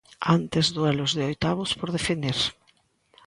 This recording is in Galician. Antes duelos de oitavos por definir.